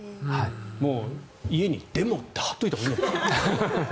もう家に「でも」って貼っておいたほうがいいんじゃ。